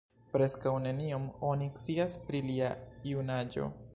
Preskaŭ nenion oni scias pri lia junaĝo.